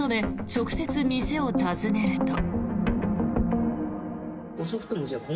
直接、店を訪ねると。